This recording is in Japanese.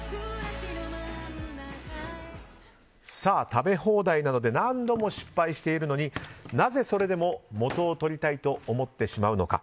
食べ放題などで何度も失敗しているのになぜ、それでも元を取りたいと思ってしまうのか。